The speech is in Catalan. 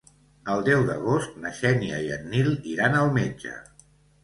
El deu d'agost na Xènia i en Nil iran al metge.